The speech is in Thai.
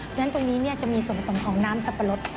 เพราะฉะนั้นตรงนี้จะมีส่วนผสมของน้ำสับปะรด